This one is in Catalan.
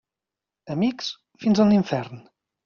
Amics, fins en l'infern.